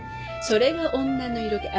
それが女の色気。